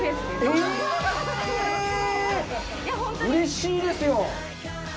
うれしいですよ。